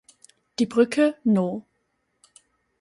Die Brücke No.